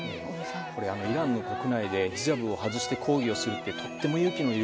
イランの国内でヒジャブを外して抗議をするって皆さん